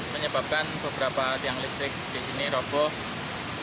menyebabkan beberapa tiang listrik di sini roboh